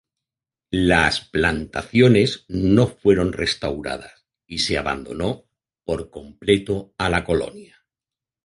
Las plantaciones no fueron restauradas, y se abandonó por completo a la colonia.